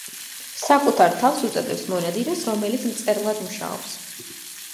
საკუთარ თავს უწოდებს მონადირეს, რომელიც მწერლად მუშაობს.